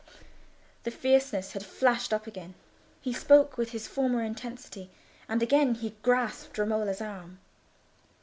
The fierceness had flamed up again. He spoke with his former intensity, and again he grasped Romola's arm.